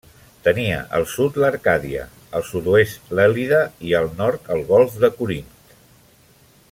Tenia al sud l'Arcàdia, al sud-oest l'Èlide i al nord el golf de Corint.